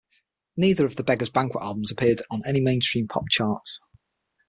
Neither of the Beggars Banquet albums appeared on any mainstream pop charts.